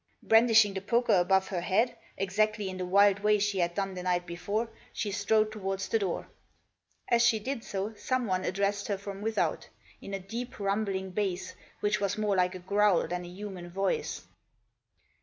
Brandishing the poker above her head— exactly in the wild way she had done the night before — she strode towards the door. As she did so someone addressed her from without ; in a deep rumbling bass, which was more like a growl than a human voice.